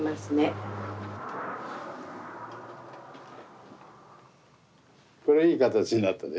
これいい形になったぜ。